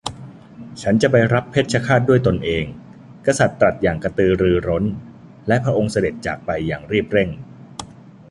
ฉันจะไปรับเพชฌฆาตด้วยตนเอง กษัตริย์ตรัสอย่างกระตือรือร้น และพระองค์เสด็จจากไปอย่างรีบเร่ง